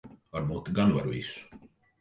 Ar muti gan var visu.